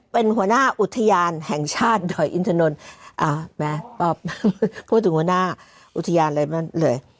เป็นหัวหน้าอุทยานแห่งชาติดอยอินทนนท์พูดถึงหัวหน้าอุทยานอะไรเลย